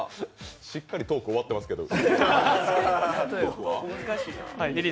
しっかりトーク、終わってますけど。